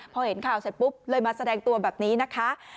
พอเห็นข่าวเสร็จปุ๊บเลยมาแสดงตัวแบบนี้นะคะ